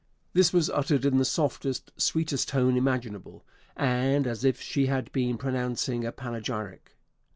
This was uttered in the softest, sweetest tone imaginable, and as if she had been pronouncing a panegyric.